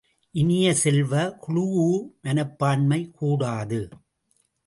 இனிய செல்வ, குழூஉ மனப்பான்மை கூடாது.